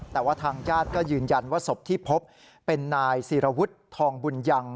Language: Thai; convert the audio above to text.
แต่ว่าทางญาติก็ยืนยันว่าศพที่พบเป็นนายศิรวุฒิทองบุญยัง